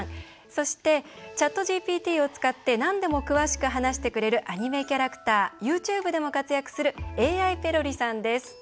そして、ＣｈａｔＧＰＴを使ってなんでも詳しく話してくれるアニメキャラクターＹｏｕＴｕｂｅでも活躍する瑛あいペロリさんです。